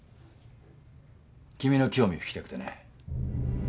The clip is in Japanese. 君の興味を引きたくてね。